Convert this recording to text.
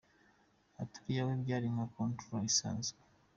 Ati: “uriya we byari nka contract idasazwe”.